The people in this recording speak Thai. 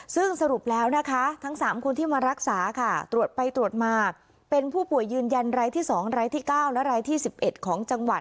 ซึ่งสรุปแล้วนะคะทั้ง๓คนที่มารักษาค่ะตรวจไปตรวจมาเป็นผู้ป่วยยืนยันรายที่๒รายที่๙และรายที่๑๑ของจังหวัด